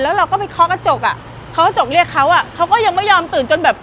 แต่เราก็เขาจอกเรียกเขาเขาก็ยังไม่ยอมตื่น